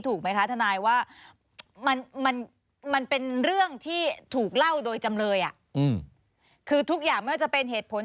ถูกไหมคะทนายว่ามันเป็นเรื่องที่ถูกเล่าโดยจำเลยคือทุกอย่างไม่ว่าจะเป็นเหตุผล